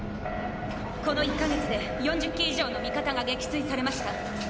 この１か月で４０機以上の味方が撃墜されました。